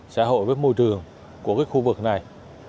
xã hội với môi trường của khu vực này